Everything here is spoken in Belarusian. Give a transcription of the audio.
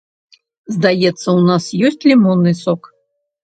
Здаецца, у нас ёсць лімонны сок?